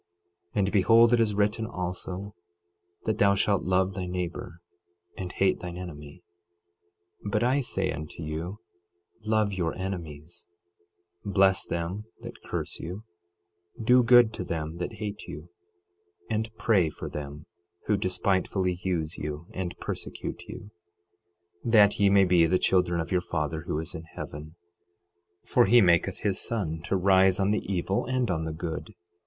12:43 And behold it is written also, that thou shalt love thy neighbor and hate thine enemy; 12:44 But I say unto you, love your enemies, bless them that curse you, do good to them that hate you, and pray for them who despitefully use you and persecute you; 12:45 That ye may be the children of your Father who is in heaven; for he maketh his sun to rise on the evil and on the good.